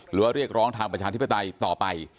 เรียกร้องทางประชาธิปไตยต่อไป